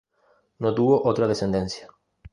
No tuvo otra descendencia.